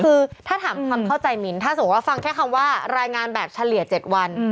คือถ้าถามความเข้าใจมินถ้าสมมุติว่าฟังแค่คำว่ารายงานแบบเฉลี่ย๗วัน